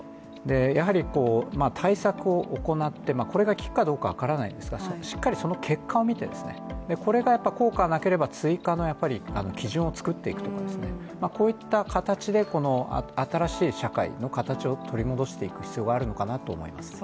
やはり対策を行って、これが効くかどうか分からないんですがしっかり結果を見て、それが効果がなければ追加の基準を作っていくこういった形で新しい社会の形を取り戻していく必要があるのかなと思います。